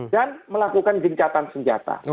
dan melakukan jencatan senjata